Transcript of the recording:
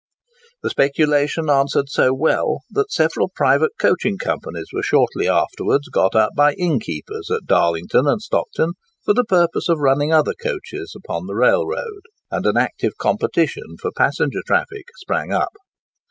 The speculation answered so well, that several private coaching companies were shortly after got up by innkeepers at Darlington and Stockton, for the purpose of running other coaches upon the railroad; and an active competition for passenger traffic sprang up.